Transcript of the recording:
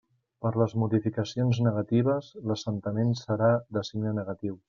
Per les modificacions negatives, l'assentament serà de signe negatiu.